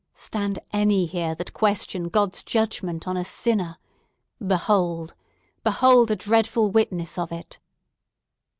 Stand any here that question God's judgment on a sinner! Behold! Behold, a dreadful witness of it!"